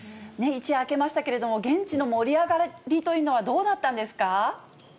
一夜明けましたけれども、現地の盛り上がりというのはどうだったんですか。